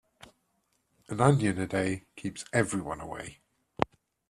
An onion a day keeps everyone away.